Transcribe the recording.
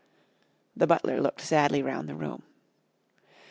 The butler looked sadly round the room.